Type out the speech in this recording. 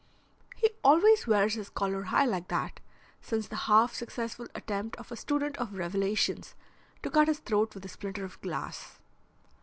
He always wears his collar high like that, since the half successful attempt of a student of Revelations to cut his throat with a splinter of glass.